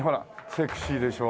セクシーでしょ。